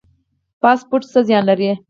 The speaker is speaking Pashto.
فاسټ فوډ څه زیان لري؟